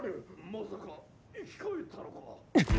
・まさか生き返ったのか⁉ッッ！！！